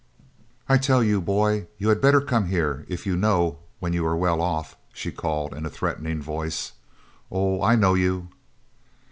"I tell you, boy, you had better come here if you know when you are well off!" she called, in a threatening voice, "Oh, I know you!"